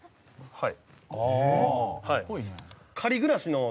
はい。